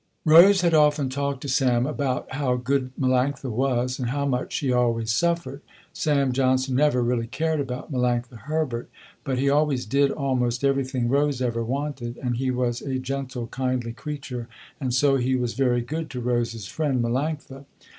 Rose had often talked to Sam about how good Melanctha was and how much she always suffered. Sam Johnson never really cared about Melanctha Herbert, but he always did almost everything Rose ever wanted, and he was a gentle, kindly creature, and so he was very good to Rose's friend Melanctha.